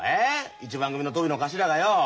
一番組のトビの頭がよお。